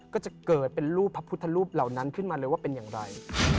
ก็จะเกิดเป็นรูปพระพุทธรูปเหล่านั้นขึ้นมาเลยว่าเป็นอย่างไร